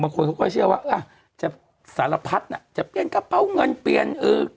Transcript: บางคนเขาก็เชื่อว่าจะสารพัสจะเปลี่ยนกะเพราเงินเปลี่ยน